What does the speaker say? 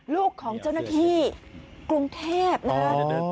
ลูกของเจ้าหน้าที่กรุงเทพนะคะ